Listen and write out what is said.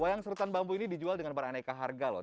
wayang serutan bambu ini dijual dengan beraneka harga loh